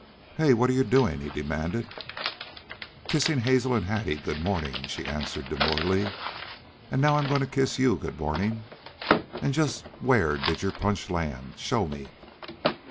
"Hey! what are you doin'?'" he demanded. "Kissing Hazel and Hattie good morning," she answered demurely. "And now I 'm going to kiss you good morning.. .. And just where did your punch land? Show me."